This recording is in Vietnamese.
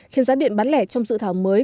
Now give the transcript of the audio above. khiến giá điện bán lẻ trong sự thảo mới